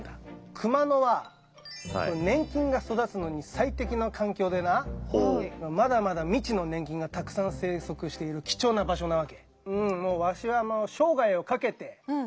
熊野は粘菌が育つのに最適な環境でなまだまだ未知の粘菌がたくさん生息している貴重な場所なわけ。